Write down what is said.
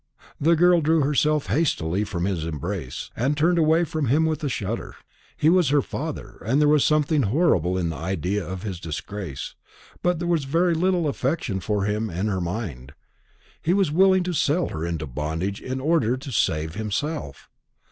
The girl drew herself hastily from his embrace, and turned away from him with a shudder. He was her father, and there was something horrible in the idea of his disgrace; but there was very little affection for him in her mind. He was willing to sell her into bondage in order to save himself.